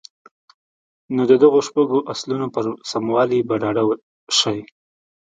نو د دغو شپږو اصلونو پر سموالي به ډاډه شئ.